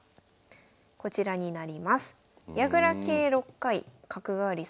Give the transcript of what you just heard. こちらになります。